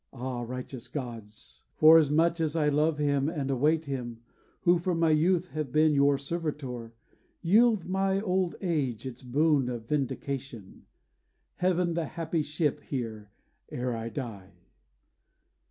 Ah, righteous gods! Forasmuch as I love him and await him, Who from my youth have been your servitor, Yield my old age its boon of vindication: Haven the happy ship here, ere I die.